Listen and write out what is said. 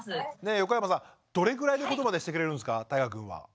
横山さんどれぐらいのことまでしてくれるんですかたいがくんは。